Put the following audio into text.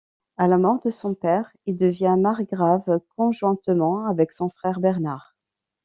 À la mort de son père, il devient margrave conjointement avec son frère Bernard.